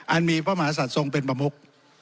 อันมีพระมหาศัตริย์ทรงเป็นประมบุก